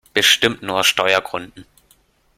Bestimmt nur aus Steuergründen!